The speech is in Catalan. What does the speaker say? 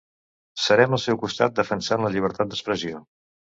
Serem al seu costat defensant la llibertat d'expressió.